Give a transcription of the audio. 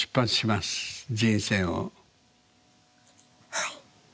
はい。